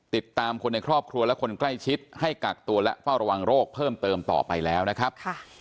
ติดตามคนในครอบครัวและคนใกล้ชิดให้กักตัวและเฝ้าระวังโรคเพิ่มเติมต่อไปแล้วนะครับ